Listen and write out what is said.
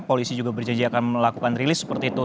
polisi juga berjanji akan melakukan rilis seperti itu